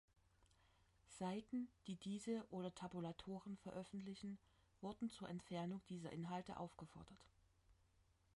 Seiten, die diese oder Tabulaturen veröffentlichen, wurden zur Entfernung dieser Inhalte aufgefordert.